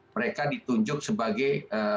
mereka ditunjuk sebagai